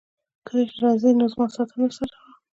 کله چي راځې نو زما ساعت هم درسره راوړه.